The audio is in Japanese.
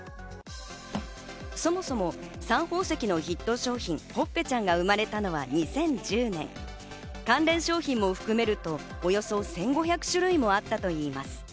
そもそもサン宝石のヒット商品・ほっぺちゃんが生まれたのは２０１０年、関連商品も含めるとおよそ１５００種類もあったといいます。